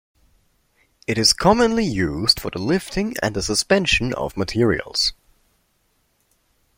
It is commonly used for the lifting and the suspension of materials.